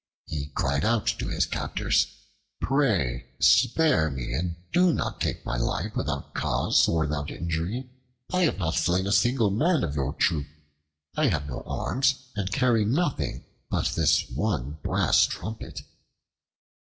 He cried out to his captors, "Pray spare me, and do not take my life without cause or without inquiry. I have not slain a single man of your troop. I have no arms, and carry nothing but this one brass trumpet."